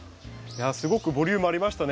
すごくボリュームありましたね